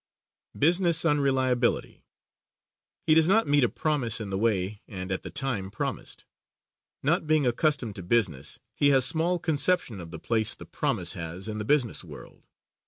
Business Unreliability. He does not meet a promise in the way and at the time promised. Not being accustomed to business, he has small conception of the place the promise has in the business world.